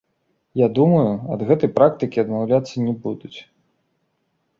Я думаю, ад гэтай практыкі адмаўляцца не будуць.